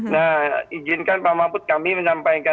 nah izinkan pak mahfud kami menampilkan